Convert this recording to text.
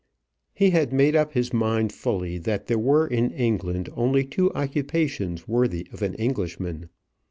He had made up his mind fully that there were in England only two occupations worthy of an Englishman.